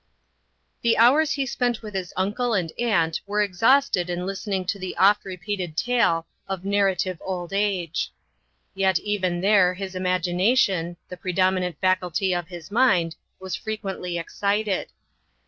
The hours he spent with his uncle and aunt were exhausted in listening to the oft repeated tale of narrative old age. Yet even there his imagination, the predominant faculty of his mind, was frequently excited.